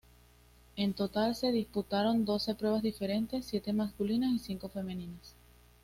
En total se disputaron doce pruebas diferentes, siete masculinas y cinco femeninas.